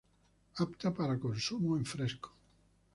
Apta para higo para consumo en fresco.